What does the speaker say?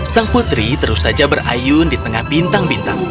sang putri terus saja berayun di tengah bintang bintang